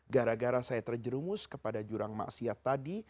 gara gara saya terjerumus kepada jurang maksiat tadi